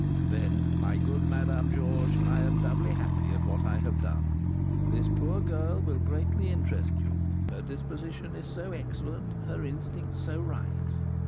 '" "Then, my good Madame Georges, I am doubly happy at what I have done. This poor girl will greatly interest you, her disposition is so excellent, her instincts so right."